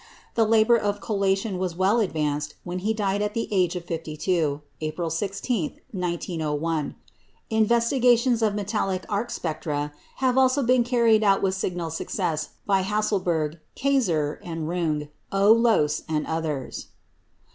The labour of collation was well advanced when he died at the age of fifty two, April 16, 1901. Investigations of metallic arc spectra have also been carried out with signal success by Hasselberg, Kayser and Runge, O. Lohse, and others.